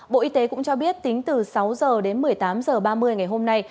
bộ y tế cũng cho biết tính từ sáu h đến một mươi tám h ba mươi ngày hôm nay